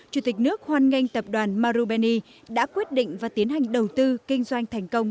chủ tịch nước hoan nghênh tập đoàn marubeni đã quyết định và tiến hành đầu tư kinh doanh thành công